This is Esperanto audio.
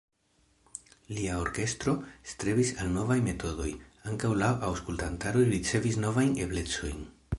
Lia orkestro strebis al novaj metodoj, ankaŭ la aŭskultantaro ricevis novajn eblecojn.